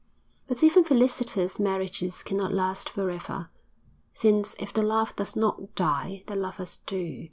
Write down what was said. But even felicitous marriages cannot last for ever, since if the love does not die the lovers do.